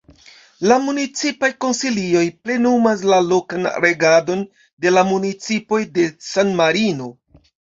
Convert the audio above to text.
La Municipaj Konsilioj plenumas la lokan regadon de la municipoj de San-Marino.